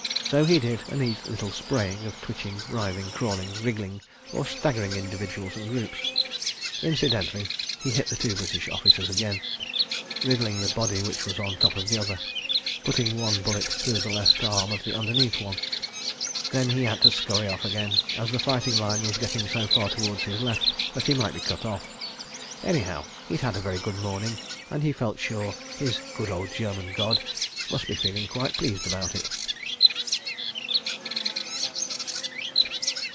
... So he did a little neat spraying of twitching, writhing, crawling, wriggling or staggering individuals and groups. Incidentally he hit the two British officers again, riddling the body which was on top of the other, putting one bullet through the left arm of the underneath one. ... Then he had to scurry off again, as the fighting line was getting so far towards his left that he might be cut off. ... Anyhow he'd had a very good morning and felt sure his "good old German God" must be feeling quite pleased about it.